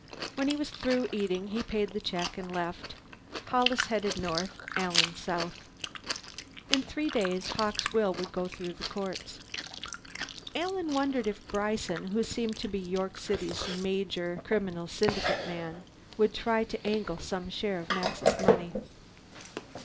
When he was through eating, he paid the check and they left, Hollis heading north, Alan south. In three days, Hawkes' will would go through the courts. Alan wondered if Bryson, who seemed to be York City's major criminal syndic man, would try to angle some share of Max's money.